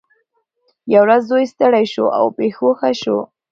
یوه ورځ زوی ستړی شو او بېهوښه شو.